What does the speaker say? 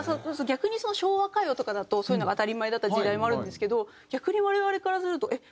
逆に昭和歌謡とかだとそういうのが当たり前だった時代もあるんですけど逆に我々からするとなんかえっ？